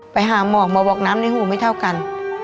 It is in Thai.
ไปหาหมอกหมอบอกน้ำในหูไม่เท่ากัน